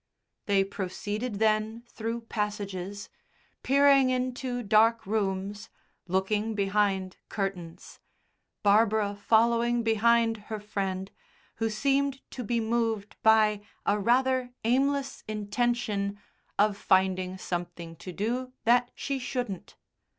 They proceeded then through passages, peering into dark rooms, looking behind curtains, Barbara following behind her friend, who seemed to be moved by a rather aimless intention of finding something to do that she shouldn't.